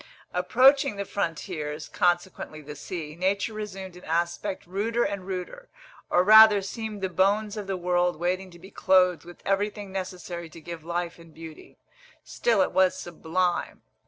Approaching the frontiers, consequently the sea, nature resumed an aspect ruder and ruder, or rather seemed the bones of the world waiting to be clothed with everything necessary to give life and beauty. Still it was sublime.